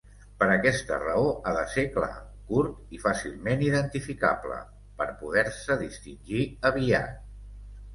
Per aquesta raó ha de ser clar, curt i fàcilment identificable, per poder-se distingir aviat.